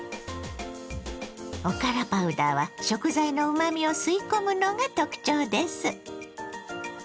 おからパウダーは食材のうまみを吸い込むのが特徴です。